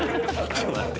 ちょっと待って。